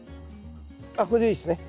あっこれでいいですね。